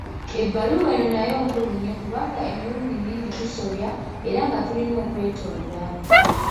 Ebbaluwa eno nayo nkulu nnyo kubanga emirundi mingi tusobya, era nga tulIna okwetonda!